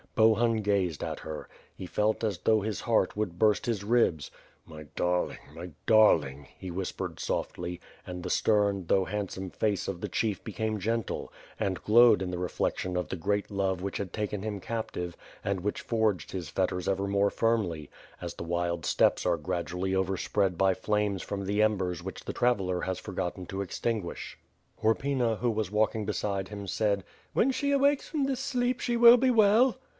Bohun gazed at her. He felt as though his heart would burst his ribs. "My darling, my darting," h« whispered softly and the stem, though handsome, face of the chief became gentle, and glowed in the reflection of the great love which had taken him captive, and which forged his fetters ever more firmly; as the wild steppes are gradually overspread by flames from the embers which the traveller has forgotten to extinguish. Horpyna, who was walking beside him, said: "When she awakes from this sleep she will be well."